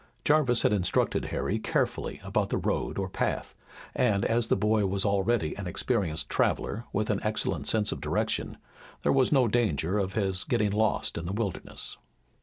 Jarvis had instructed Harry carefully about the road or path, and as the boy was already an experienced traveler with an excellent sense of direction, there was no danger of his getting lost in the wilderness.